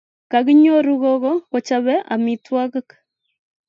Kakinyoru gogo kochope amitwogik